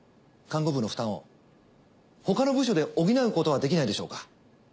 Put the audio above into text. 看護部の負担を他の部署で補うことはできないでしょうか。